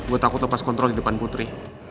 gue takut lepas kontrol di depan putri